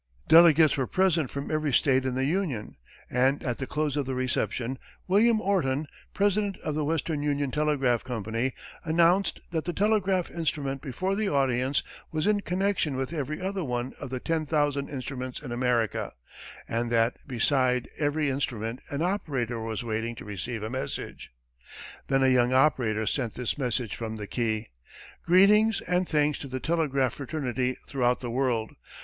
Delegates were present from every state in the Union, and at the close of the reception, William Orton, president of the Western Union Telegraph Company, announced that the telegraph instrument before the audience was in connection with every other one of the ten thousand instruments in America, and that, beside every instrument an operator was waiting to receive a message. Then a young operator sent this message from the key: "Greeting and thanks to the telegraph fraternity throughout the world.